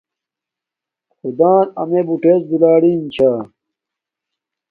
خدݳن امݺ بُٹݵڎ دُرݳلِن چھݳ.